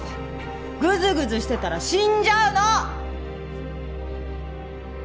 ぐずぐずしてたら死んじゃうの！